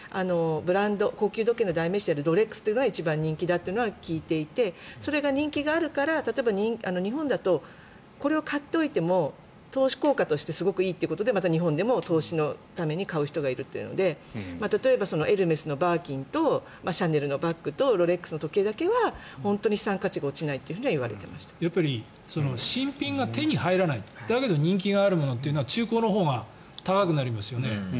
高級時計の代名詞であるロレックスというのは一番人気だとは聞いていてそれが人気があるから例えば、日本だとこれを買っておいても投資効果としてすごくいいということで日本でも投資のために買う人がいるというので例えば、エルメスのバーキンとシャネルのバッグとロレックスの時計だけは本当に資産価値は新品が手に入らないだけど人気なものは中古が高くなりますよね。